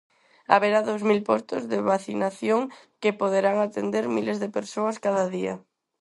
Haberá dous mil postos de vacinación que poderán atender miles de persoas cada día.